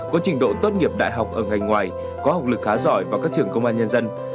có trình độ tốt nghiệp đại học ở ngành ngoài có học lực khá giỏi vào các trường công an nhân dân